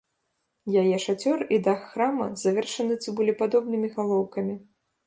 Яе шацёр і дах храма завершаны цыбулепадобнымі галоўкамі.